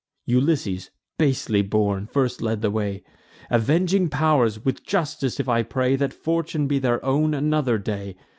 Ulysses, basely born, first led the way. Avenging pow'rs! with justice if I pray, That fortune be their own another day!